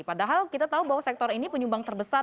padahal kita tahu bahwa sektor ini penyumbang terbesar